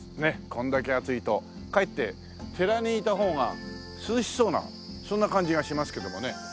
これだけ暑いとかえって寺にいた方が涼しそうなそんな感じがしますけどもね。